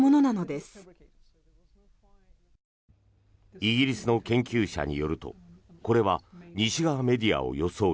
イギリスの研究者によるとこれは西側メディアを装い